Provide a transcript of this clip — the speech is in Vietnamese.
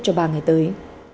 cho ba ngày tới